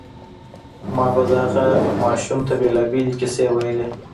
ما به دغه ماشوم ته بېلابېلې کيسې ويلې.